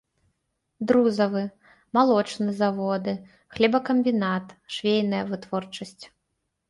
Друзавы, малочны заводы, хлебакамбінат, швейная вытворчасць.